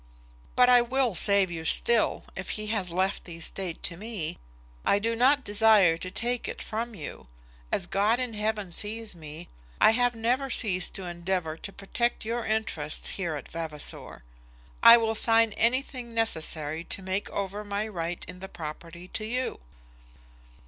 "But I will save you still, if he has left the estate to me. I do not desire to take it from you. As God in heaven sees me, I have never ceased to endeavour to protect your interests here at Vavasor. I will sign anything necessary to make over my right in the property to you."